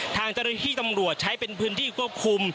ทางเจ้าหน้าที่ตำรวจใช้เป็นพื้นที่ควบคุม